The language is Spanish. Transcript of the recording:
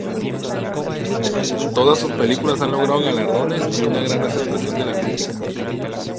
Todas sus películas han logrado galardones y una gran aceptación de la crítica.